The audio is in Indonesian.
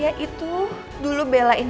yang bunun gila lebih sebetulnya ga kasar